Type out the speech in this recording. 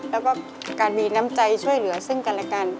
แล้วก็การมีน้ำใจช่วยเหลือซึ่งกันและกัน